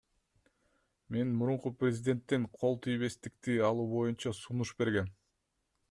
Мен мурунку президенттен кол тийбестикти алуу боюнча сунуш бергем.